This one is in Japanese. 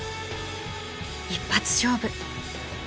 ［一発勝負］